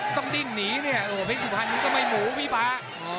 ต้องดิ้นนีเนี่ยโอ้โหพี่สุภัณฑ์นึงก็ไม่หมูพี่ป๊า